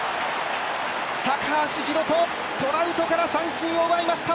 高橋宏斗、トラウトから三振を奪いました。